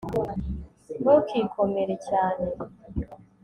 Ntukikomere cyane